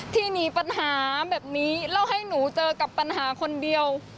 หนีปัญหาแบบนี้แล้วให้หนูเจอกับปัญหาคนเดียว